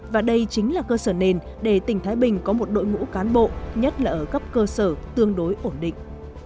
và đây chính là cơ sở nền để tỉnh thái bình có một đội ngũ cán bộ nhất là ở cấp cơ sở tương đối ổn định